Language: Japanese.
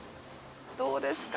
どうですか？